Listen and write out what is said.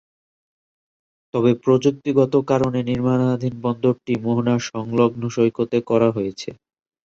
তবে প্রযুক্তিগত কারণে নির্মাণাধীন বন্দরটি, মোহনা সংলগ্ন সৈকতে করা হয়েছে।